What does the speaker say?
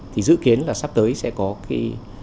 thì dự kiến là sắp tới sẽ có cái